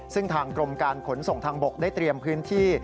ซึ่งทางกรมการขนส่งทางบกได้เตรียมพื้นที่